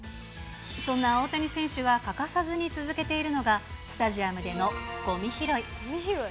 そんな大谷選手が欠かさずに続けているのが、スタジアムでのごみ拾い。